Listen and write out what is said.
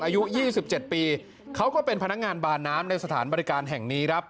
อายุ๒๗ปีเขาก็เป็นพนักงานบานน้ำในสถานบริการแห่งนี้ครับ